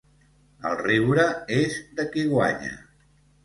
El riure és de qui guanya.